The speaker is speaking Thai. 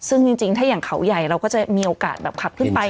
ซึ่งจริงถ้าอย่างเขาใหญ่เราก็จะมีโอกาสแบบขับขึ้นไป